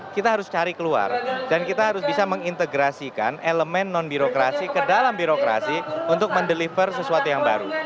kita harus cari keluar dan kita harus bisa mengintegrasikan elemen non birokrasi ke dalam birokrasi untuk mendeliver sesuatu yang baru